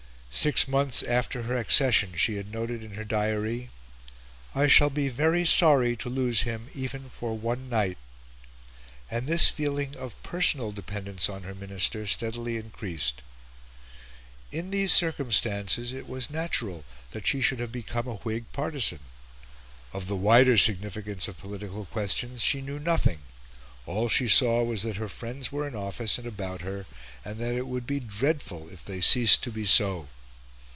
Six months after her accession she had noted in her diary "I shall be very sorry to lose him even for one night;" and this feeling of personal dependence on her Minister steadily increased. In these circumstances it was natural that she should have become a Whig partisan. Of the wider significance of political questions she knew nothing; all she saw was that her friends were in office and about her, and that it would be dreadful if they ceased to be so.